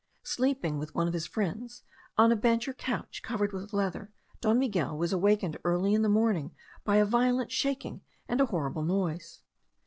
Sleeping with one of his friends on a bench or couch covered with leather, Don Miguel was awakened early in the morning by a violent shaking and a horrible noise.